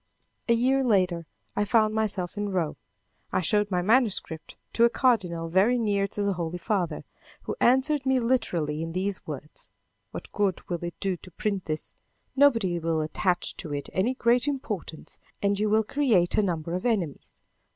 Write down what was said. A year later, I found myself in Rome. I showed my manuscript to a cardinal very near to the Holy Father, who answered me literally in these words: "What good will it do to print this? Nobody will attach to it any great importance and you will create a number of enemies.